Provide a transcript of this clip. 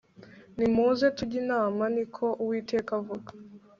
nimuze tujye inama, ni ko uwiteka avuga